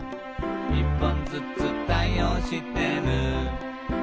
「１本ずつ対応してる」